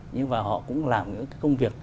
nhưng mà họ cũng làm những công việc